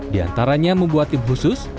di antaranya membuat tim khusus